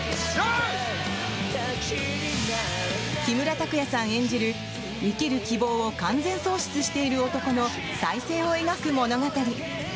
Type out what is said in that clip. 木村拓哉さん演じる生きる希望を完全喪失している男の再生を描く物語。